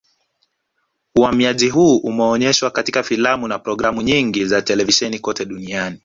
Uhamiaji huu umeonyeshwa katika filamu na programu nyingi za televisheni kote duniani